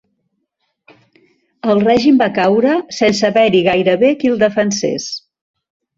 El règim va caure sense haver-hi gairebé qui el defensés.